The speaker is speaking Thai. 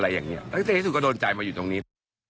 อะไรอย่างนี้สุดท้ายก็โดนใจมาอยู่ตรงนี้